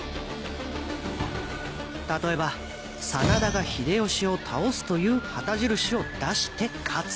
例えば真田が「秀吉を倒す」という旗印を出して勝つ。